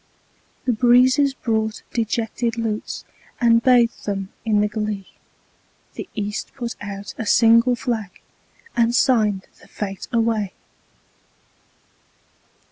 The breezes brought dejected lutes, And bathed them in the glee; The East put out a single flag, And signed the fete away.